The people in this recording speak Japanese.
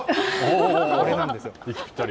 これなんです。